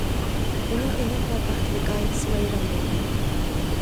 ئۇنىڭ ئىناق ۋە بەختلىك ئائىلىسى ۋەيران بولدى.